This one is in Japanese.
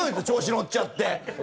調子乗っちゃって。